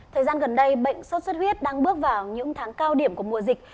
thời gian gần đây bệnh sốt xuất huyết đang bước vào những tháng cao điểm của mùa dịch